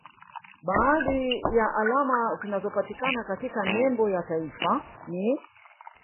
Baadhi ya alama zinazopatikana katika nembo ya taifa ni